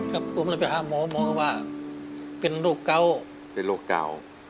ครับผมเลยไปหาหมอหมอว่าเป็นโรคเก่าเป็นโรคเก่า